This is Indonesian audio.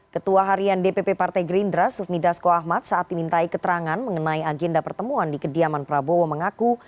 ketua harian dpp partai gerindra sufmi dasko ahmad saat dimintai keterangan mengenai agenda pertemuan di kediaman prabowo mengaku